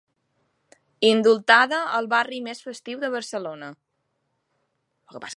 Indultada al barri més festiu de Barcelona.